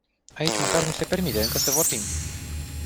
Aici măcar ni se permite încă să vorbim.